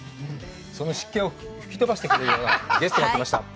その湿気を吹き飛ばしてくれるようなゲストが来ました。